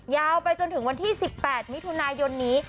ยาวไปจนถึงวันที่๑๘มิถุนายนนี้